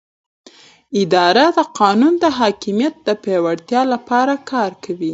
اداره د قانون د حاکمیت د پیاوړتیا لپاره کار کوي.